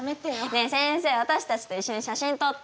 ねえ先生私たちと一緒に写真撮ってよ。